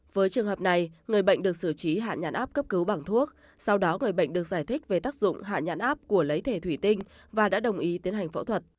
với trường hợp này người bệnh được sử trí hạ nhãn áp cấp cứu bằng thuốc sau đó người bệnh được giải thích về tác dụng hạ nhãn áp của lấy thể thủy tinh và đã đồng ý tiến hành phẫu thuật